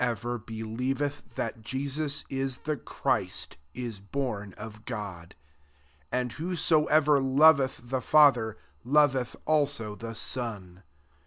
1 Wrosobtsh be* lieveth that JesuK is the Christ is bora of Qod> and whoeoevtf loveth the Father^ loveth also the Son.